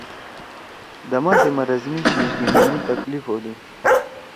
دمہ سی مرض می شیِش گھیِنُو می تکلیف ہودُو۔